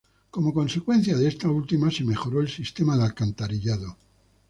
Como consecuencia de esta última se mejoró el sistema de alcantarillado.